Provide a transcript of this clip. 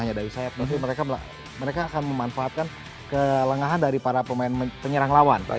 jadi mereka akan memanfaatkan kelangahan dari para pemain penyerang lawan